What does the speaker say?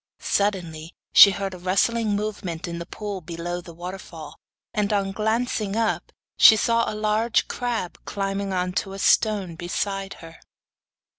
Suddenly she heard a rustling movement in the pool below the waterfall, and, on glancing up, she saw a large crab climbing on to a stone beside her.